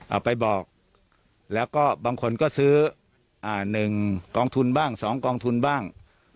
เอาไปบอกแล้วก็บางคนก็ซื้ออ่าหนึ่งกองทุนบ้างสองกองทุนบ้าง